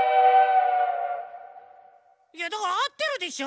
いやだからあってるでしょ？